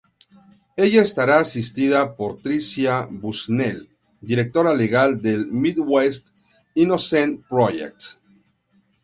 Ella estará asistida por Tricia Bushnell, directora legal del Midwest Innocence Project.